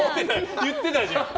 言ってたじゃん！